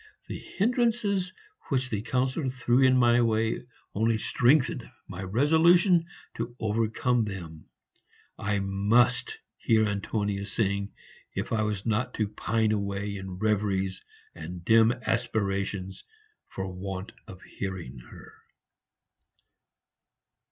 The hindrances which the Councillor threw in my way only strengthened my resolution to overcome them; I MUST hear Antonia sing if I was not to pine away in reveries and dim aspirations for want of hearing her.